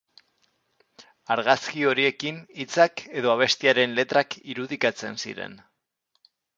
Argazki horiekin hitzak edo abestiaren letrak irudikatzen ziren.